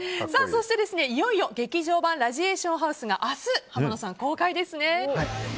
そして、いよいよ「劇場版ラジエーションハウス」明日、浜野さん、公開ですね。